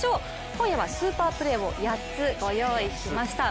今夜はスーパープレーを８つご用意しました。